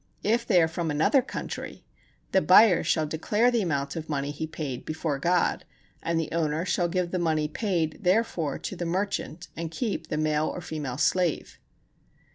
If they are from another country, the buyer shall declare the amount of money he paid before God, and the owner shall give the money paid therefor to the merchant, and keep the male or female slave.